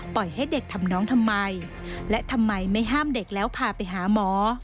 ให้เด็กทำน้องทำไมและทำไมไม่ห้ามเด็กแล้วพาไปหาหมอ